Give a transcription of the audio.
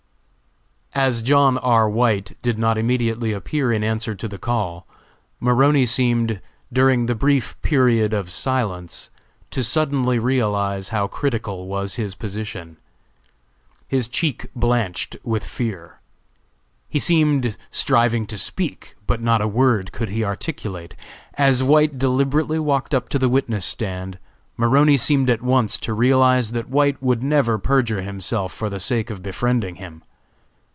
As John R. White did not immediately appear in answer to the call, Maroney seemed, during the brief period of silence, to suddenly realize how critical was his position. His cheek blanched with fear. He seemed striving to speak, but not a word could he articulate. As White deliberately walked up to the witness stand, Maroney seemed at once to realize that White would never perjure himself for the sake of befriending him.